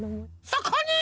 そこに！